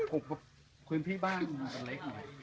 ผมก็คุยกับพี่บ้านกันเลย